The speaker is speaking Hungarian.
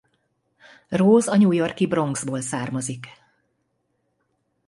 Rose a New York-i Bronx-ból származik.